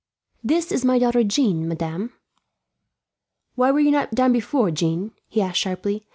"This is my daughter Jean, madame. "Why were you not down before, Jean?" he asked sharply.